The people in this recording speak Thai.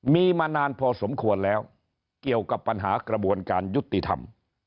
มีมานานพอสมควรแล้วเกี่ยวกับปัญหากระบวนการยุติธรรม